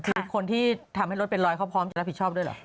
คือคนที่ทำให้รถเป็นรอยเขาพร้อมจะรับผิดชอบด้วยเหรอ